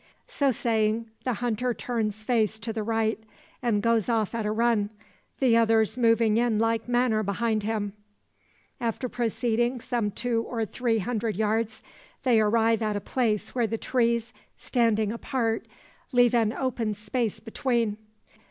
So saying, the hunter turns face to the right, and goes off at a run, the others moving in like manner behind him. After proceeding some two or three hundred yards, they arrive at a place where the trees, standing apart, leave an open space between.